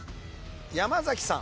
山崎さん。